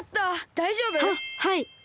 だいじょうぶ？ははい。